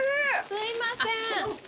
すいません。